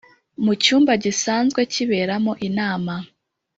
mu cyumba gisanzwe kiberamo inama